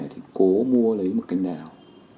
thì cố mua lấy một cánh đào